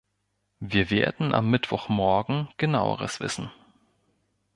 Wir werden am Mittwochmorgen Genaueres wissen.